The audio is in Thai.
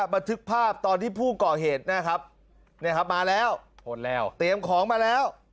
บันทึกภาพตอนที่ผู้ก่อเหตุนะครับมาแล้วเตรียมของมาแล้ว